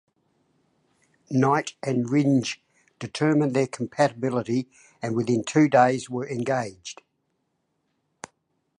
Knight and Rindge determined their compatibility and within two days were engaged.